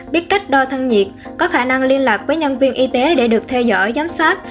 biết cách đo thân nhiệt có khả năng liên lạc với nhân viên y tế để được theo dõi giám sát